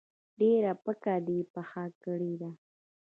ډیره پکه دي پخه کړی ده